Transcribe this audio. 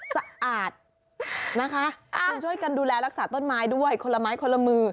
สะอาดนะคะคุณช่วยกันดูแลรักษาต้นไม้ด้วยคนละไม้คนละมือ